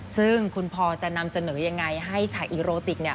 ซึ่งคุณพอจะนำเสนอยังไงให้ฉากอีโรติกเนี่ย